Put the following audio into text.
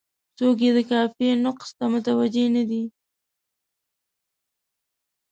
څوک یې د قافیې نقص ته متوجه نه دي.